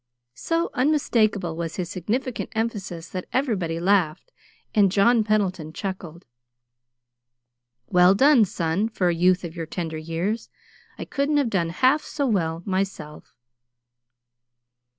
So unmistakable was his significant emphasis that everybody laughed, and John Pendleton chuckled: "Well done, son for a youth of your tender years. I couldn't have done half so well myself."